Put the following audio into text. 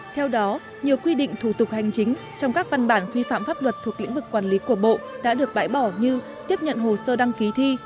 theo đó nhiều quy định thủ tục hành chính trong các văn bản quy phạm pháp luật thuộc lĩnh vực quản lý của bộ đã được bãi bỏ như tiếp nhận hồ sơ đăng ký thi